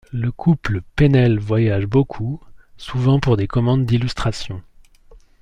Le couple Pennell voyage beaucoup, souvent pour des commandes d'illustrations.